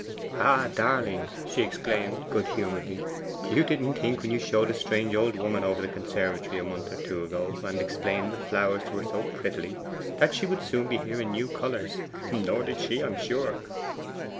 'Ah, darling!' she exclaimed good humouredly, 'you didn't think when you showed a strange old woman over the conservatory a month or two ago, and explained the flowers to her so prettily, that she would so soon be here in new colours. Nor did she, I am sure.